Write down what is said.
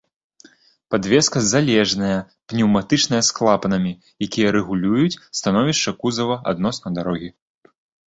Падвеска залежная, пнеўматычная з клапанамі, якія рэгулююць становішча кузава адносна дарогі.